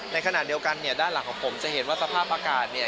ในขณะเดียวกันเนี่ยด้านหลังของผมจะเห็นว่าสภาพอากาศเนี่ย